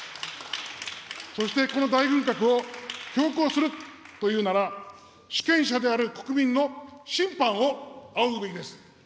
そして、この大軍拡を強行するというなら、主権者である国民の審判を仰ぐべきです。